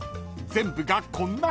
［全部がこんな感じ］